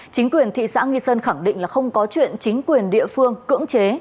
chính quyền thị xã nghi sơn khẳng định là không có chuyện chính quyền địa phương cưỡng chế